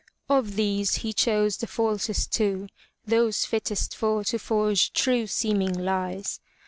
Of these he chose the falsest two, those fittest for to forge true seeming lies.